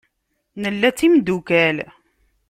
Nella d timdukal.